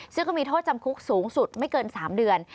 ซึ่งก็มีโทษจำคุกสูงสุดไม่เกิน๓เดือน